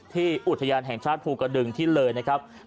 อุทยานแห่งชาติภูกระดึงที่เลยนะครับ